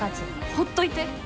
ほっといて。